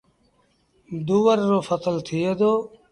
دوُور رو ڦسل ٿئي دو۔